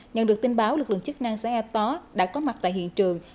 nhận được tin báo lực lượng chức năng xã e pó đã có mặt tại hiện trường